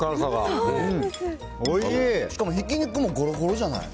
しかもひき肉もごろごろじゃない？